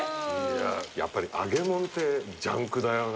やっぱり揚げもんってジャンクだよね